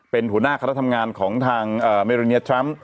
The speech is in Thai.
เป็นหัวหน้าคณะทำงานของทางเมริเนียทรัมป์